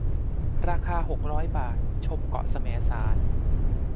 ราคา หกร้อย บาท ชมเกาะแสมสาร